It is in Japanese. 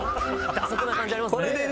蛇足な感じありますね。